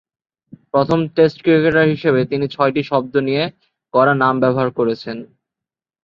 প্রথম test cricketer হিসেবে তিনি ছয়টি শব্দ নিয়ে গড়া নাম ব্যবহার করেছেন।